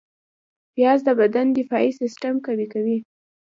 پیاز د بدن دفاعي سیستم قوي کوي